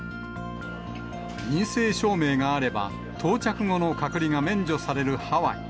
陰性証明があれば到着後の隔離が免除されるハワイ。